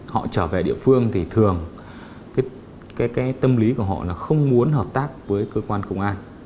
họ trở về địa phương thì thường cái tâm lý của họ là không muốn hợp tác với cơ quan công an